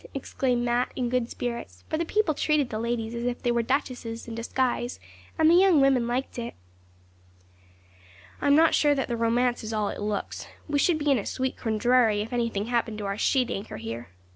exclaimed Mat, in good spirits, for the people treated the ladies as if they were duchesses in disguise, and the young women liked it. 'I'm not so sure that the romance is all it looks. We should be in a sweet quandary if anything happened to our sheet anchor here.